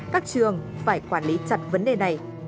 các trường phải quản lý chặt vấn đề này